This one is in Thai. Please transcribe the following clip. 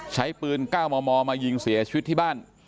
ใช้ปืน๙มมมายิงเสียชีวิตที่บ้าน